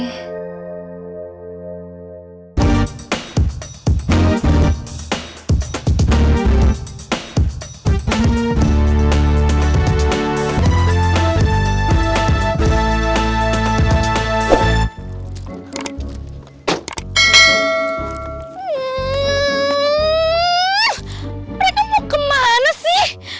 hmm mereka mau kemana sih